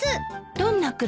どんな車？